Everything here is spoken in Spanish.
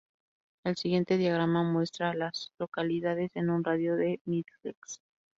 El siguiente diagrama muestra a las localidades en un radio de de Middlesex.